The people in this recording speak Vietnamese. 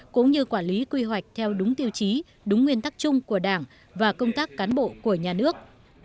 cũng như quản lý quy hoạch theo đúng tiêu chí đúng nguyên tắc chung của đảng và công tác cán bộ của nhà nước